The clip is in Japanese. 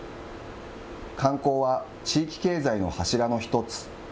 観光は地域経済の柱の一つ。